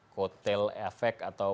kotel efek atau